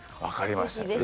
分かりました。